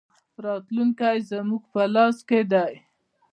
راتلونکی زموږ په لاس کې دی